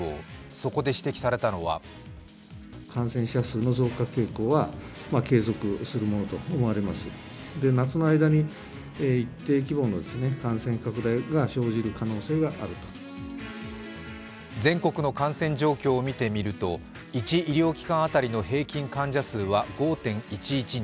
そこで指摘されたのは全国の感染状況を見てみると１医療機関当たりの平均患者数は５．１１人。